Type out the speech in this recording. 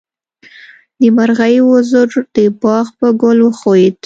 د مرغۍ وزر د باغ په ګل وښویېد.